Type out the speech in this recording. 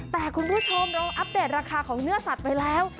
แต่คุณผู้ชมเราอัปเดตราคาของเนื้อสัตว์ไปแล้ว